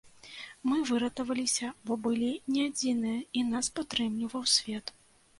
Мы выратаваліся, бо былі не адзіныя і нас падтрымліваў свет.